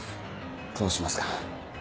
どうしますか？